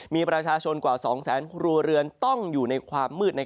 มีประชาชนกว่า๒แสนครัวเรือนต้องอยู่ในความมืด